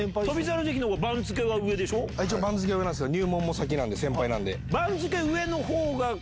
一応番付は上なんすけど。